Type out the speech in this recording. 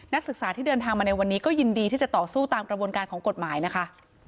นักศึกษาที่เดินทางมาในวันนี้ก็ยินดีที่จะต่อสู้ตามกระบวนการของกฎหมายนะคะ